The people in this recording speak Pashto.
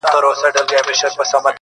زور لري چي ځان کبابولای سي!.